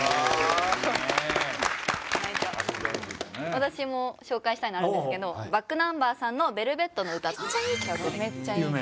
私も紹介したいのあるんですけどｂａｃｋｎｕｍｂｅｒさんの『ベルベットの詩』めっちゃいい曲。